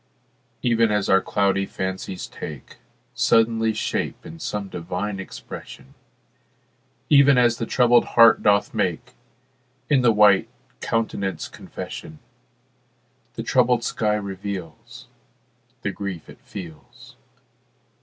Even as our cloudy fancies take Suddenly shape in some divine expression, Even as the troubled heart doth make In the white countenance confession, The troubled sky reveals The grief it feels.